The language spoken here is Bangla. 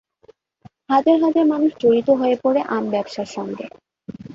হাজার হাজার মানুষ জড়িত হয়ে পড়ে আম ব্যবসার সঙ্গে।